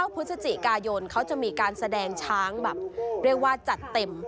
พฤศจิกายนเขาจะมีการแสดงช้างแบบเรียกว่าจัดเต็ม